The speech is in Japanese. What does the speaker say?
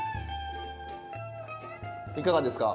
いかがですか？